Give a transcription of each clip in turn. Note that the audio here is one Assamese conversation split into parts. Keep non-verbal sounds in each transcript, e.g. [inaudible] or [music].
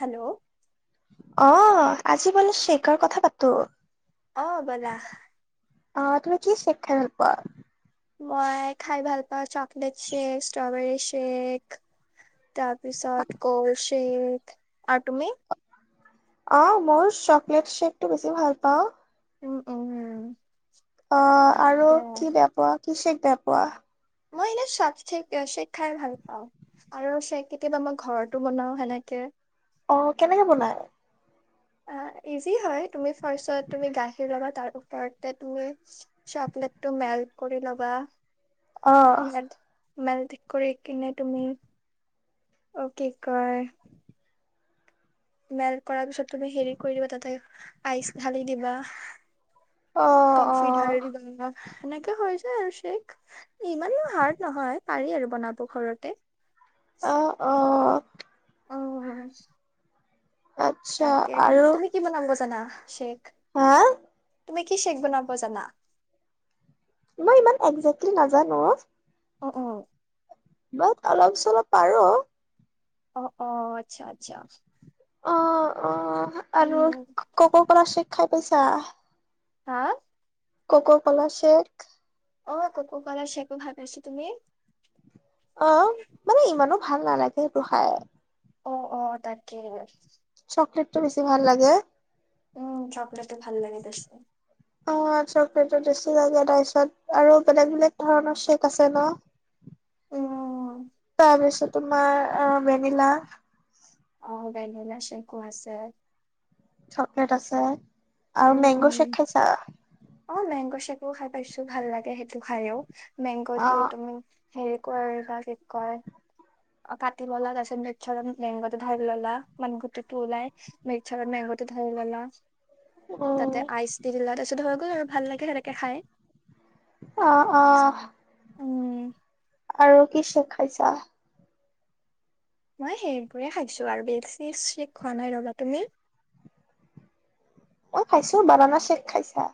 হেল্ল'! অ', আজি বোলে [unintelligible] কথা পাতোঁ। অ ব'লা অ', তুমি কি ছেক খাই ভাল পোৱা? মই খাই ভাল চকলেট শেক, ষ্ট্ৰবেৰী শ্বেক, তাৰপিছত কল্ড শ্বেক, আৰু তুমি? অঁ মোৰ চকলেট শ্বেক টো বেছি ভাল পাওঁ। উম উম উম। অঁ আৰু কি বেয়া পোৱা? কি শেষ বেয়া পুৱা? মই এনেই চব চে চেক খাই ভাল পাওঁ আৰু চেক কেতিয়াবা মই ঘৰতো বনাও সেনেকে- অঁ কেনেকে বনাই? অঁ ইজি হয় তুমি ফাৰ্ষটত তুমি গাখীৰ ল'বা তাৰ ওপৰতে তুমি চকলেটটো মেল্ট কৰি ল'বা আহঁ। মেল ঠিক কৰি, কিনে তুমি অঁ কি কয়? মেলট কৰাৰ পিছত তুমি, হেৰি কৰি দিবা তাতে আইচ ঢালি দিবা অ', কফি অ', ঢালি দিবা। সেনেকে হৈ যায় আৰু শেক ইমানও হাৰ্ড নহয় পাৰি আৰু বনাব ঘৰতে অঁ, অঁ। অ হয়। আচ্ছা তাকে আৰু তুমি কি বনাব জানা? শেষ হা, তুমি কি শ্বেক বনাব জানা? মই ইমান একজেকটলি নাজানো অ ' অ' অ' বাট অলপ চলপ পাৰো। অ' অ' আচ্ছা - আচ্ছা অ' অ' আৰু উম, ক'ককলা চেক। খাই পাইছা? হা। ক'ক ক'লা চেক খাই পাইছা। অ' ক'ক কলা চেকো ভাল পাইছোঁ তুমি? অ' মানে ইমানো ভাল নালাগে সেইটো খাই। অ' অ' তাকেহে। চকলেটটো বেছি ভাল লাগে। উম চকলেটটো ভাল লাগে টেষ্টি। অ' চকলেটটো টেষ্টি লাগে তাৰপিছত আৰু বেলেগ বেলেগ ধৰণৰ চেক আছে ন? উম। তাৰপিছত তোমাৰ আ ভেনিলা অ' ভেনিলা চেকো আছে। চকলেট আছে। আৰু উম, মেংগ' উম। চেক খাইছা? অ [unintelligible] খাই পাইছো, ভাল লাগে সেইটো খাইও। মেংগ'টো অ', তুমি হেৰি কৰিবা কি কয়, কাটি ললা তাৰ পিছত মিক্সাৰত মেংগটো ঢালি ললা মানে গুটিটো ওলাই মিক্সাৰত মেংগটো ঢালি ল'লা উম, তাতে আইচ দি দিলা, তাৰপিছত হৈ গ'ল আৰু ভাল লাগে সেনেকে খাই। আহ, আহ। উম আৰু কি চেক খাইছা? মই সেইবোৰে খাইছো আৰু বেছি চেক খোৱা নাই ৰ'বা। তুমি? মই খাইছো, বানানা চেক খাইছা?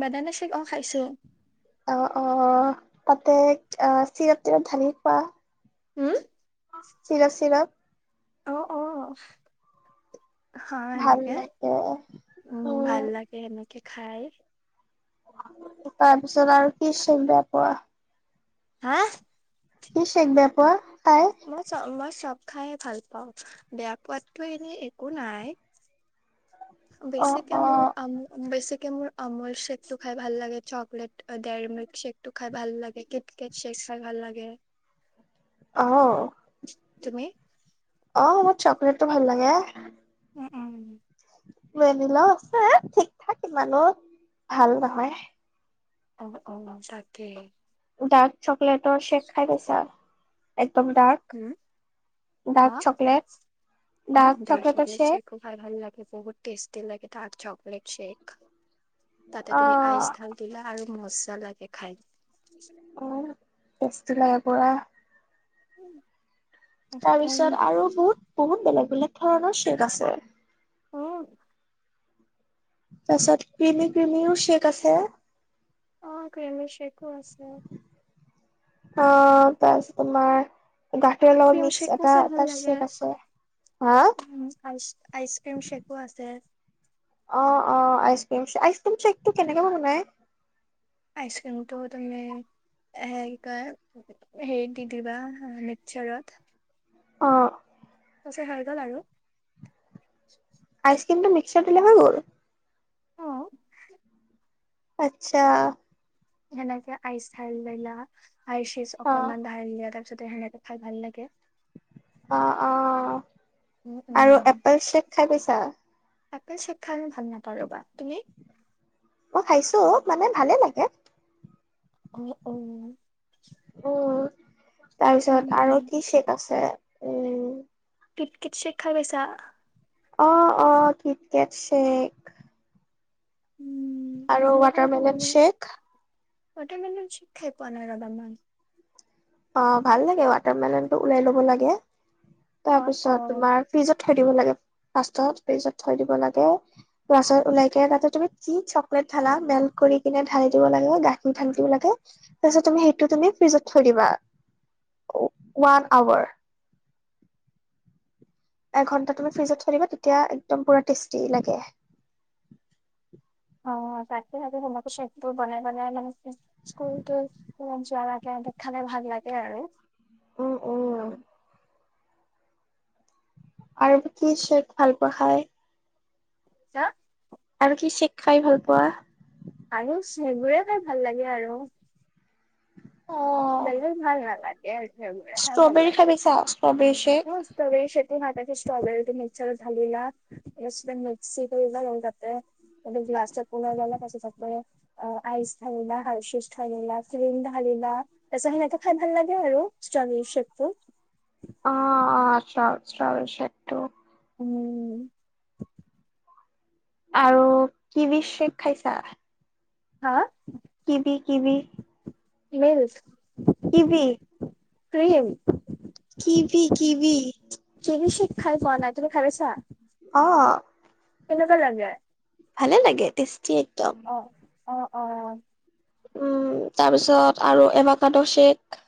বানানা চেক অ', খাইছো। অ', অ', তাতে আহ, চিৰাপ তিৰাপ ঢালি খোৱা? উম? চিৰাপ চিৰাপ অ', অ'। অ', ভাল সেনেকে লাগে উম, ভাল লাগে সেনেকে। কে খায় তাৰপিছত আৰু কি চেক বেয়া পোৱা? হাঁ? কি চেক বেয়া পোৱা? খাই? মই চ মই চব চব খাইয়ে ভাল পাওঁ বেয়া পোৱাতটো এনেই একো নাই। অ', বেছিকে মোৰ অ', অম বেছিক কে মোৰ অমুল চেকটো খাই ভাল লাগে, চকলেট ডেৰী মিল্ক চেকটো খাই ভাল লাগে, কিট কেট চেক খাই ভাল লাগে। অঁ। তুমি? অঁ মোৰ চকলেটটো ভাল লাগে। উম উম ভেনিলাও আছে ঠিক ঠাক ইমানো ভাল নহয়। অঁ অঁ তাকেই। ডাৰ্ক চক লেটৰ চেক খাই পাইছা? এ উম? হাঁ? চকলেট হাঁ ডাৰ্ক চকলেটৰ চকলেট শ্বেক চেকো ভ ভাল লাগে বহুত টেষ্টি লাগে। Dark chocolate shake. তাতে অ তুমি আইচ ঢাল দিলা আৰু মজ্জা লাগে খাই। অঁ ষ্টেটি লাগে। পৰা একদম তাৰপিছত আৰু বহুত বহুত বেলেগ বেলেগ ধৰণৰ শেগ আছে। অ তাৰপিছত ক্ৰিমি ক্ৰিমিও শ্বেক আছে। অ ক্ৰিমি শেকো আছে। অ বচ তোমাৰ। গাখীৰৰ লগত ক্ৰীম মিক্স শ্বেকো এটা খাই এটা ভাল শ্বেক লাগেচ আছে হা আইচ ক্ৰীম শ্বেকো আছে অ অ আইচ ক্ৰীম আইচ কৰিম শ্বেকটো কেনেকে বনাই আইচক্ৰীমটো তুমি হে কি কয় হেৰিত দি দিবা মিক্সাৰত অ তাৰপাছত হৈ গল আৰু আইচক্ৰিমটো মিক্সাৰ দিলে হৈ গ'ল। আহ আচ্ছা হেনেকে আইচ খাই ললে আইষ অ অকমান ঢালি ললে তাৰ পিছতে সনেকে খাই ভাল লাগে। অ অ উম আৰু এপেল চেক খাই পাইছা? এপেল স্বেক খাই মই ভাল নাপাওঁ ৰবা তুমি মই খাইছো মানে ভালে লাগে অ অ অ তাৰ পিছত আৰু উম কি শেক আছে উম কিত কিত শেক খাই পাইছা অ অ কিতকেট শেক উম আৰু watermelon shake watermelon shake খাই পোৱা নাই ৰবা মান অ ভাল লাগে ৱাটাৰ মেলন টো ওলাই লব লাগে অ অ তাৰপিছত তোমাৰ ফিজত থৈ দিব লাগে পাষ্টত ফ্ৰিজত থৈ দিব লাগে পাছত ওলাইকিয় তাতে তুমি কি চকলেট ঢালা মেল্ট কৰি কিনে ঢালি দিব লাগে গাখীৰ ঢালি দিব লাগে তাৰপিছত তুমি সেইটো তুমি ফ্ৰিজত থৈ দিবা ওৱান আৱাৰ এঘন্টা তুমি ফ্ৰিজত খালিবা তেতিয়া একদম পুৰা টেষ্টি লাগে অ তাকে থাকে তোমাকো চবোৰ বনাই বনাই ম স্কুলতত যোৱাৰ আগে খালে ভাল লাগে আৰু উ উম আৰু কি শ্বেক ভাল পোৱা খায়? [unintelligible] আৰু কি শ্বেক খায় ভাল পোৱা? আৰু শ্বেকবোৰে খায় ভাল লাগে আৰু। অ', বেলেগ ভাল নালাগে আৰু, সেইবোৰে খায় ভাল ষ্ট্ৰবেৰী লাগে, খাই পাইছা ষ্ট্ৰবেৰী চেক? অঁ ষ্ট্ৰবেৰি শ্বেক তুমি হাতেদি ষ্ট্ৰবেৰিটো মিক্সাৰত ধালিলা, তাৰপিছতে মিক্সিটো কৰি তাতে গ্লাছত পুনৰ ল'লা তাৰ পিছতে তাতে আইছ ধালিলা হাৰশিছ ধালিলা, ক্ৰীম ধালিলা তাৰপিছত সেনেকে খায় ভাল লাগে আৰু ষ্টবেৰী শ্বেকটো। অ', [unintelligible] উম। আৰু কি বি শ্বেক খাইছা? হা কিবি কিবি? মিইলচ? কিবি, কিবি কিবি। খায় পোৱা নাই, তুমি খায় পাইছা? অঁ। কেনেকুৱা লাগে ভালে লাগে টেষ্টি। একদম। অ'। অঁ অঁ। উম, তাৰপিছত আৰু এভাকাদ' শ্বেক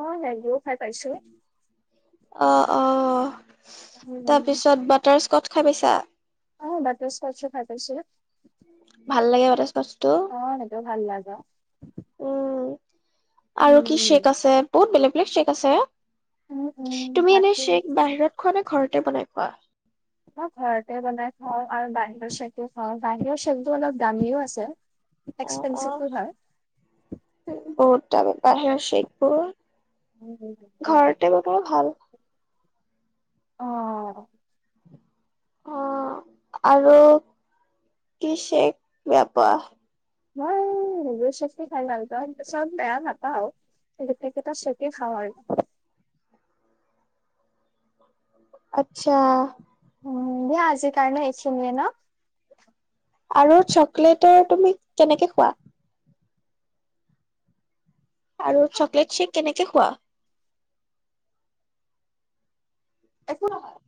অ' হেৰিও খাই পাইছোঁ। অ'-অ' উম, তাৰপিছত বাটাৰস্কট খাই পাইছা? অ' বাটাৰ স্কচো খাই পাইছোঁ। ভাল লাগে বাটাৰ স্কচ। অ' সেইটো ভাল লাগে। উম আৰু কি শ্বেক আছে বহুত বেলেগ বেলেগ শ্বেক আছে। উম, উম, তুমি এনে বাকী মই শ্বেক বাহিৰত খোৱা নে ঘৰত এ বনাই খোৱা মই ঘৰতে বনাই খাওঁ, আৰু বাহিৰৰ শ্বেকো খাওঁ। বাহিৰৰ শ্বেকটো অলপ দামীও আছে। অ অ এক্সপেনঞ্চিভ ও হয়। তাপা বাহিৰৰ শ্বেকবোৰ ঘৰতে বনোৱা ভাল। অ'। অ', আৰু কি শ্বেক বেয়া পোৱা? মই, নিজৰ শ্বেকে খাই ভাল পাওঁ কিন্ত চব বেয়া নাপাওঁ। গোতেই কেইটা শ্বেকে খাওঁ আৰু আচ্ছা। উম, দিয়া আজিৰ কাৰণে এইখিনিয়ে ন? আৰু চকলেটৰ তুমি কেনেকে খোৱা? আৰু চকলেট শ্বেক কেনেকে খোৱা? [unintelligible]